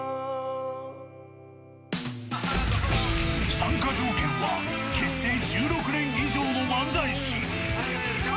参加条件は結成１６年以上の漫才師。